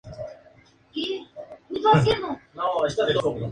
Es conocida por la Fabrica Textil de Bellavista.